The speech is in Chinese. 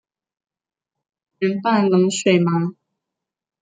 圆瓣冷水麻